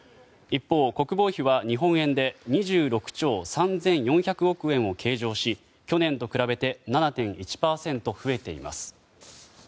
一方、国防費は日本円で２６兆３４００億円を計上し去年と比べて７．１％増えています。